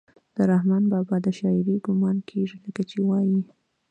د رحمان بابا د شاعرۍ ګمان کيږي لکه چې وائي: